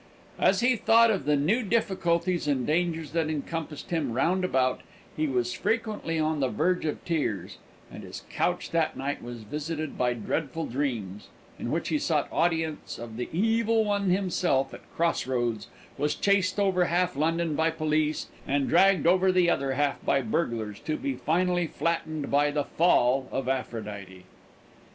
As he thought of the new difficulties and dangers that compassed him round about, he was frequently on the verge of tears, and his couch that night was visited by dreadful dreams, in which he sought audience of the Evil One himself at cross roads, was chased over half London by police, and dragged over the other half by burglars, to be finally flattened by the fall of Aphrodite.